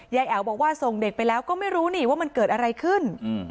แอ๋วบอกว่าส่งเด็กไปแล้วก็ไม่รู้นี่ว่ามันเกิดอะไรขึ้น